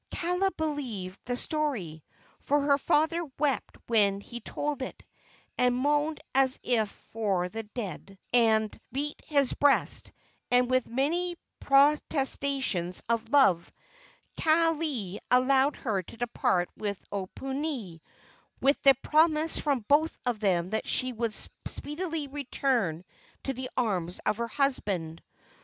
Kaala believed the story, for her father wept when he told it, and moaned as if for the dead, and beat his breast; and, with many protestations of love, Kaaialii allowed her to depart with Oponui, with the promise from both of them that she would speedily return to the arms of her husband.